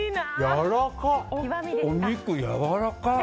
お肉、やわらか！